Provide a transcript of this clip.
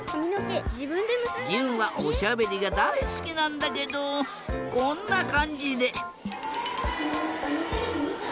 じゅんはおしゃべりがだいすきなんだけどこんなかんじで。